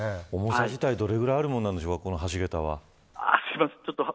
重さ自体はどのくらいあるものなんでしょうか。